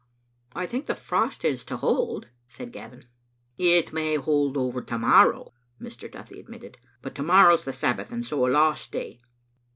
" I think the frost is to hold," said Gavin. " It may hold over to morrow," Mr. Duthie admitted; "but to morrow's the Sabbath, and so a lost day."